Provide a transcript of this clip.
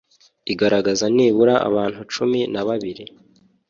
igaragaza nibura abantu cumi na babiri